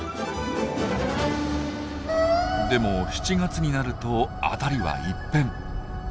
でも７月になると辺りは一変。